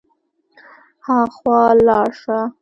هاخوا لاړ شه.